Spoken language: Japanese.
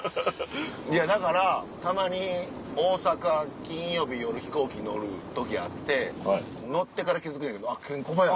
いやだからたまに大阪金曜日夜飛行機に乗る時あって乗ってから気付くんやけどあっケンコバや！